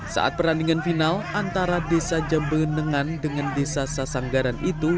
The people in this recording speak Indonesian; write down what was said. saat perandingan final antara desa jambenengan dengan desa sasanggaran itu